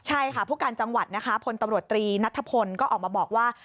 ใช่ค่ะผู้การจังหวัดนะคะพลตำรวจตรีนัทธพลก็ออกมาบอกว่า